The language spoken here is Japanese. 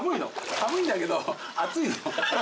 寒いんだけど熱いの。